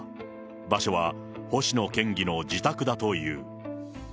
場所は星野県議の自宅だという。